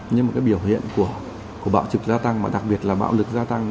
nhưng mà cái biểu hiện của bạo trực gia tăng mà đặc biệt là bạo lực gia tăng